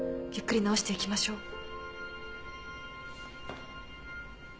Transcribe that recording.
ゆっくり治していきましょう。